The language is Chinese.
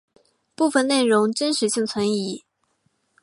部分内容真实性存疑。